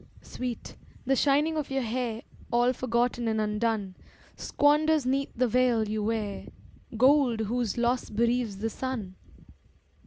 "Sweet, the shining of your hair (All forgotten and undone) Squanders 'neath the veil you wear Gold whose loss bereaves the sun."